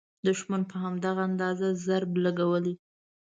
دوښمن په همدغه اندازه ضرب لګولی.